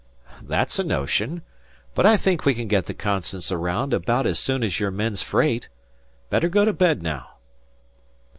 "That's a notion. But I think we can get the 'Constance' around about as soon as your men's freight. Better go to bed now."